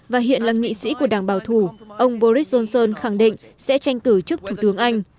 và hiện là nghị sĩ của đảng bảo thủ ông boris johnson khẳng định sẽ tranh cử trước thủ tướng anh